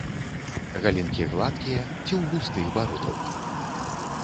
Галінкі гладкія ці ў густых бародаўках.